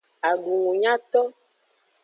Adungunyato.